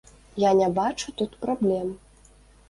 Я не бачу тут праблем.